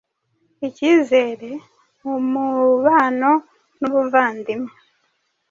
icyizere, umubano n', ubuvandimwe ,